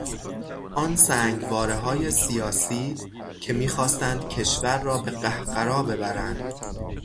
آن سنگوارههای سیاسی که میخواستند کشور را به قهقرا ببرند